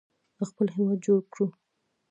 خپل هیواد جوړ کړو.